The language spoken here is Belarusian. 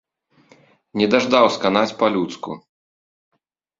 Не даждаў сканаць па-людску.